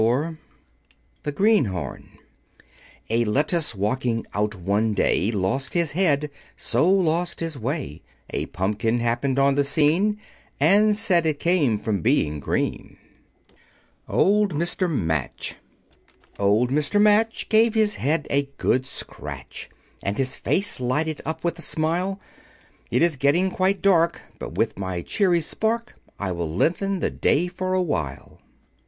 [Illustration: A Hopeless Case] THE GREENHORN A lettuce walking out one day, Lost his head, so lost his way; A Pumpkin happened on the scene, And said it came from being green. [Illustration: The Greenhorn] OLD MR. MATCH Old Mr. Match gave his head a good scratch, And his face lighted up with a smile; "It is getting quite dark, but with my cheery spark I will lengthen the day for awhile."